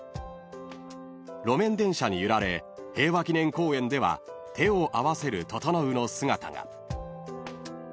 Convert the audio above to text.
［路面電車に揺られ平和記念公園では手を合わせる整の姿が］